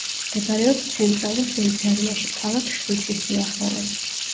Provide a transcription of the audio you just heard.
მდებარეობს ცენტრალურ შვეიცარიაში, ქალაქ შვიცის სიახლოვეს.